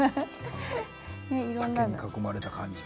竹に囲まれた感じで。